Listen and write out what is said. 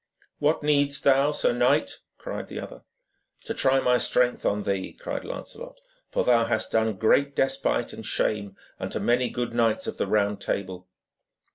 'What needst thou, sir knight?' cried the other. 'To try my strength on thee,' cried Lancelot, 'for thou hast done great despite and shame unto many good knights of the Round Table.'